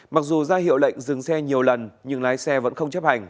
mặc dù ra hiệu lệnh dừng xe nhiều lần nhưng lái xe vẫn không chấp hành